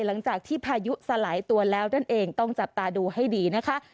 หลังจากที่พายุสลายตัวแล้วนั่นเองต้องจับตาดูให้ดีนะคะ